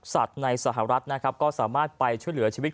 ในสหรัฐนะครับก็สามารถไปช่วยเหลือชีวิต